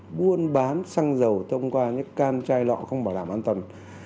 mà phải buôn bán xăng dầu thông qua những can chai lọ không bảo đảm an toàn